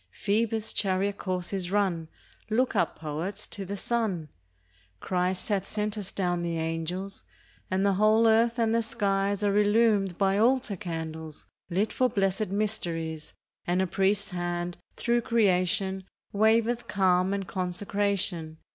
Phoebus' chariot course is run ! Look up, poets, to the sun ! Christ hath sent us down the angels; And the whole earth and the skies Are illumed by altar candles TRUTH. 35 Lit for blessed mysteries ; And a Priest's Hand, through creation, Waveth calm and consecration.